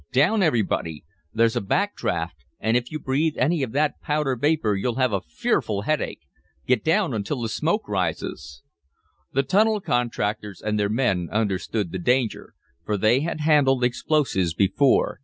Down, everybody! There's a back draft, and if you breathe any of that powder vapor you'll have a fearful headache! Get down, until the smoke rises!" The tunnel contractors and their men understood the danger, for they had handled explosives before.